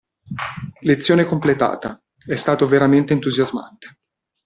Lezione completata, è stato veramente entusiasmante.